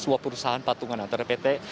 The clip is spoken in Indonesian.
sebuah perusahaan patungan antara pt